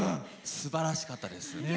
すばらしかったです。